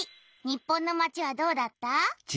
日本のまちはどうだった？